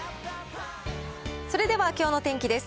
それではきょうの天気です。